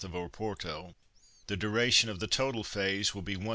of Oporto the duration of the total phase will be 1m.